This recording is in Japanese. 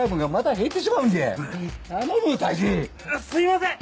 すいません！